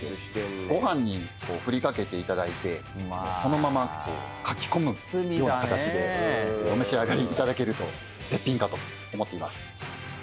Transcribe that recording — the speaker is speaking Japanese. ご飯に振り掛けていただいてそのままかき込むような形でお召し上がりいただけると絶品かと思っています。